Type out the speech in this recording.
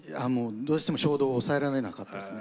どうしても衝動を抑えられなかったですね。